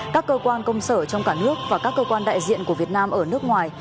các cơ quan công sở trong cả nước và các cơ quan đại diện của việt nam ở nước ngoài